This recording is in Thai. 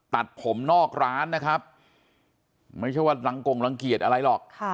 ตัดผมนอกร้านนะครับไม่ใช่ว่ารังกงรังเกียจอะไรหรอก